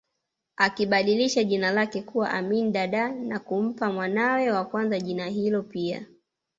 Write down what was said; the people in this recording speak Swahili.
Akibadilisha jina lake kuwa Amin Dada na kumpa mwanawe wa kwanza jina hilo pia